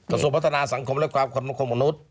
กระสูรพัฒนาสังคมและความความความมนุษย์